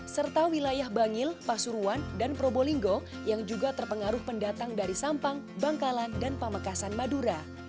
serta wilayah bangil pasuruan dan probolinggo yang juga terpengaruh pendatang dari sampang bangkalan dan pamekasan madura